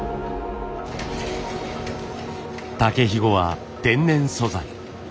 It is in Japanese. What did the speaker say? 竹ひごは天然素材。